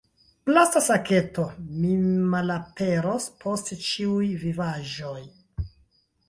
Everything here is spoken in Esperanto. Plasta saketo: "Mi malaperos post ĉiuj vivaĵoj!"